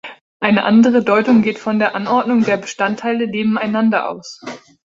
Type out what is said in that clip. Eine andere Deutung geht von der Anordnung der Bestandteile nebeneinander aus.